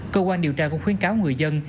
cơ quan điều tra cũng khuyến cáo người dân